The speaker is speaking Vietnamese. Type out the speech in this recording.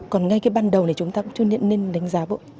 còn ngay cái ban đầu này chúng ta cũng chưa nên đánh giá vội